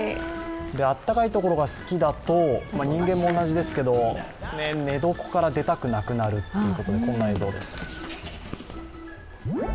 暖かいところが好きだと、人間も同じですけど、寝床から出たくなくなるということでこんな映像です。